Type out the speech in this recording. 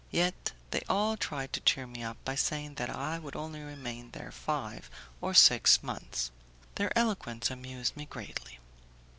Yet they all tried to cheer me up by saying that I would only remain there five or six months. Their eloquence amused me greatly.